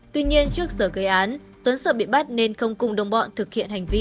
tuy nhiên trước giờ gây án tuấn sợ bị bắt nên không cùng đồng bọn thực hiện hành vi